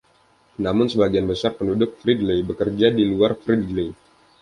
Namun, sebagian besar penduduk Fridley bekerja di luar Fridley.